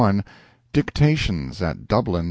DICTATIONS AT DUBLIN, N.